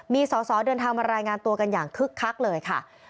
มีสอสอเดินทางมารายงานตัวกันอย่างคึกคักเลยค่ะ